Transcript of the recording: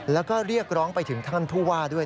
แล้วก็เรียกร้องไปถึงท่านผู้ว่าด้วย